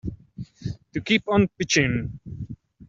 To keep on pitching.